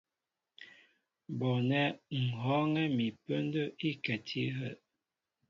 Bɔɔnɛ́ ŋ̀ hɔ́ɔ́ŋɛ́ mi pə́ndə́ íkɛti áhə'.